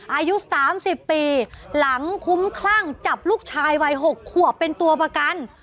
อายุ๓๐ปีหลังคุ้มคลั่งจับลูกชายวัย๖ขวบเป็นตัวประกัน